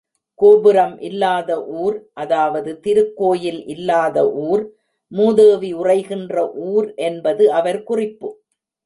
கோபுரம் இல்லாத ஊர், அதாவது திருக்கோயில் இல்லாத ஊர், மூதேவி உறைகின்ற ஊர் என்பது அவர் குறிப்பு.